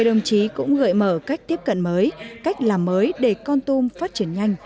đồng chí cũng gợi mở cách tiếp cận mới cách làm mới để con tum phát triển nhanh